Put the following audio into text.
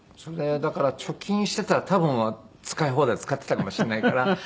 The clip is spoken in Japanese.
だから貯金していたら多分使い放題使っていたかもしれないから。